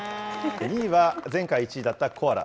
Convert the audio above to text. ２位は前回１位だったコアラ。